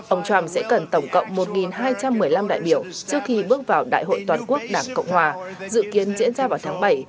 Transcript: ông trump sẽ cần tổng cộng một hai trăm một mươi năm đại biểu trước khi bước vào đại hội toàn quốc đảng cộng hòa dự kiến diễn ra vào tháng bảy